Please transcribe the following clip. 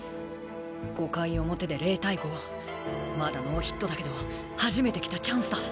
５回表で０対５まだノーヒットだけど初めて来たチャンスだ。